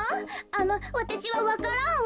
あのわたしはわか蘭を。